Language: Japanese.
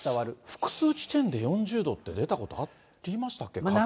複数地点で４０度って、出たことありましたっけ？